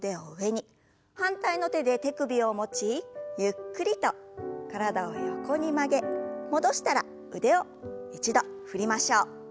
反対の手で手首を持ちゆっくりと体を横に曲げ戻したら腕を一度振りましょう。